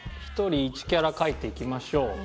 １人１キャラ描いていきましょう。